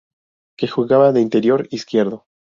Que jugaba de interior izquierdo.